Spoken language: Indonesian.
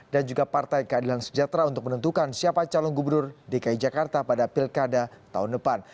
dan juga partai keadilan sejahtera untuk menentukan siapa calon gubernur dki jakarta pada pilkada tahun depan